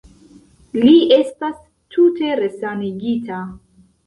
Li estas tute resanigita.